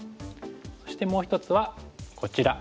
そしてもう１つはこちら。